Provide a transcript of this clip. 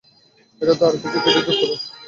এটাতে আরও কিছু ক্রেডিট যোগ করুন!